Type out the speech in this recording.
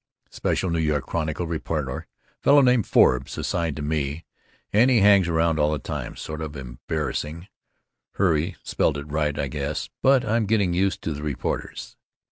Special NY Chronicle reporter, fellow named Forbes, assigned to me, and he hangs around all the time, sort of embarrassing (hurray, spelled it right, I guess) but I'm getting used to the reporters.